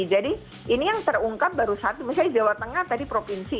jadi ini yang terungkap baru saat misalnya di jawa tengah tadi provinsi